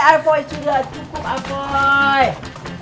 apoy sudah cukup apoy